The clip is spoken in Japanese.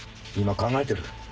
今考えてる。